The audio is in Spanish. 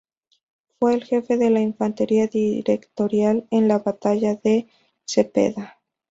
Fue el jefe de la infantería directorial en la batalla de Cepeda.